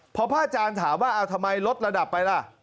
พอพระอาจารย์ถามว่าทำไมลดระดับไปล่ะ